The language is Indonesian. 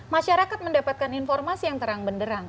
masyarakat mendapatkan informasi yang terang benderang